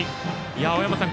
青山さん